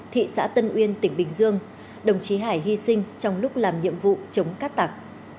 thị xã tân uyên tỉnh bình dương đồng chí hải hy sinh trong lúc làm nhiệm vụ chống cát tạc